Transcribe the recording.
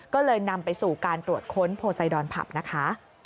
ก็เลยนำไปสู่การตรวจค้นโพไซดอนผับนะคะ